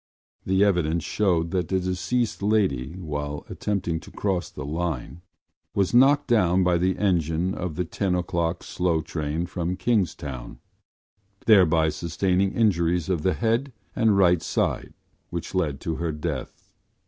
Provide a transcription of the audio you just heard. The evidence showed that the deceased lady, while attempting to cross the line, was knocked down by the engine of the ten o’clock slow train from Kingstown, thereby sustaining injuries of the head and right side which led to her death.